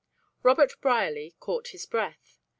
Robert Brierly caught his breath.